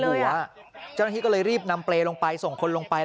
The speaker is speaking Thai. เจ้าหน้าที่ก็เลยรีบนำเปรย์ลงไปส่งคนลงไป